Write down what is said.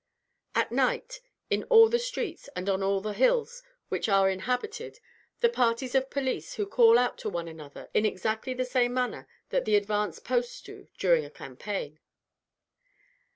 At night, in all the streets, and on all the hills which are inhabited, are parties of police, who call out to one another in exactly the same manner that the advanced posts do during a campaign.